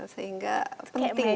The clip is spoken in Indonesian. sehingga penting ya